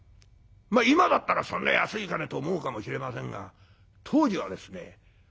今だったらそんな安い金と思うかもしれませんが当時はですね